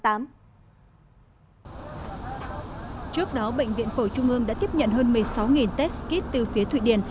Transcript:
trước đó bệnh viện phổi trung ương đã tiếp nhận hơn một mươi sáu test kit từ phía thụy điển